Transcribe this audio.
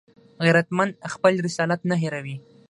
غیرتمند خپل رسالت نه هېروي